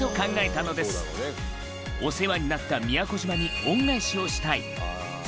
「お世話になった宮古島に恩返しをしたい」磴